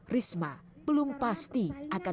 risma belum pasti akan